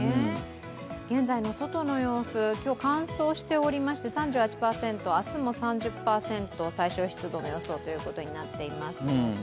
現在の外の様子、今日は乾燥しておりまして３８％、明日も３０％、最小湿度の予想となっています。